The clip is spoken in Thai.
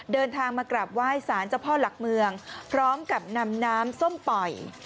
เดินทางมากราบไหว้สารเจ้าพ่อหลักเมืองพร้อมกับนำน้ำส้มปล่อย